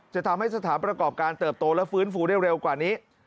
จะทำให้สถานประกอบการเติบโตและฟื้นฟูได้เร็วกว่านี้